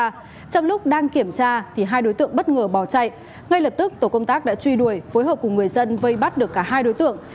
trong lúc đang kiểm tra hai đối tượng bất ngờ bỏ chạy ngay lập tức tổ công tác đã truy đuổi phối hợp cùng người dân vây bắt được cả hai đối tượng